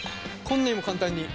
こんなにも簡単に。